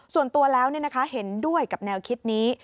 ส่วนตัวแล้วเห็นด้วยกับแนวคิดนี้